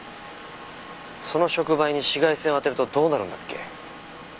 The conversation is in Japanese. その触媒に紫外線を当てるとどうなるんだっけ？